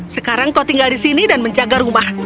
sekarang kau tinggal di sini dan menjaga rumah